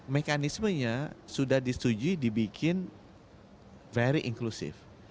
mekanismenya sudah disetujui dibikin very inclusive